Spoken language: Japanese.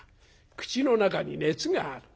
口の中に熱がある。